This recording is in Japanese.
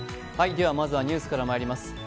ニュースからまいります。